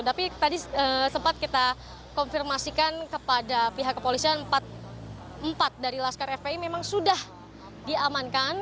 tapi tadi sempat kita konfirmasikan kepada pihak kepolisian empat dari laskar fpi memang sudah diamankan